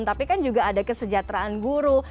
tapi kan juga ada kesejahteraan guru